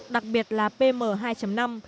đặc biệt là pm hai năm